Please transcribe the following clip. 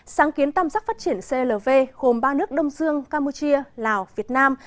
sáng kiến tam giác phát triển clv gồm ba nước đông dương campuchia lào việt nam